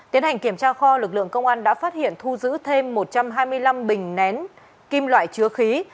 tiến hành kiểm tra kho lực lượng công an đã phát hiện thu giữ thêm một trăm hai mươi năm bình nén kim loại chứa khí